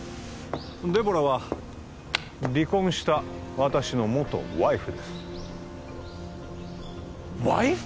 デボラは離婚した私の元ワイフですワイフ！？